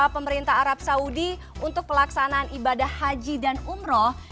pemerintah arab saudi untuk pelaksanaan ibadah haji dan umroh